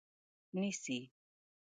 نیسي